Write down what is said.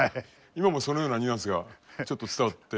今もそのようなニュアンスがちょっと伝わってきましたが。